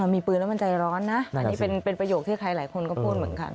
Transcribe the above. มีปืนแล้วมันใจร้อนนะอันนี้เป็นประโยคที่ใครหลายคนก็พูดเหมือนกัน